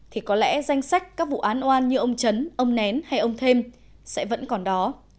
thì có lẽ danh sách các vụ án oan như ông chấn ông nén hay ông thêm sẽ vẫn còn đó